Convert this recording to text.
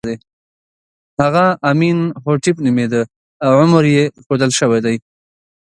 هغه امین هوټېپ نومېده او عمر یې ښودل شوی دی.